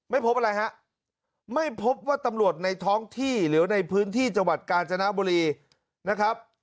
ไม่พบอะไรฮะไม่พบว่าตำรวจในท้องที่หรือในพื้นที่จังหวัดกาญจนบุรีนะครับ